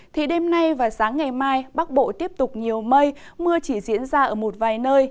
thì đêm nay và sáng ngày mai bắc bộ tiếp tục nhiều mây mưa chỉ diễn ra ở một vài nơi